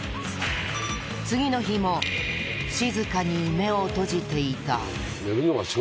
次の日も、静かに目を閉じていた。